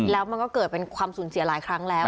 แล้วมันก็เกิดเป็นความสูญเสียหลายครั้งแล้ว